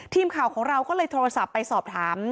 ทีมข่าวของเราก็เลยโทรศัพท์ไปสอบถาม